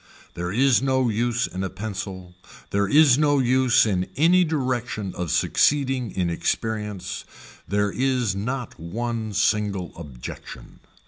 There is no use in a pencil, there is no use in any direction of succeeding in experience, there is not one single objection.